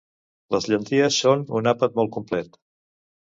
les llenties són un àpat molt complet